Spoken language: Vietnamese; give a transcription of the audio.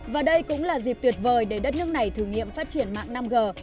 và đây cũng là dịp tuyệt vời để đất nước này thử nghiệm phát triển mạng năm g